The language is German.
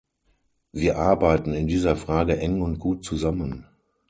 Wir arbeiten in dieser Frage eng und gut zusammen.